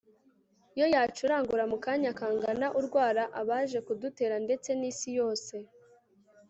yo yacurangura mu kanya kangana urwara abaje kudutera, ndetse n'isi yose